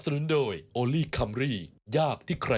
ใครมามีอัพฤษฎิโกะสวัสดีค่ะ